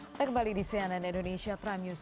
kita kembali di cnn indonesia prime news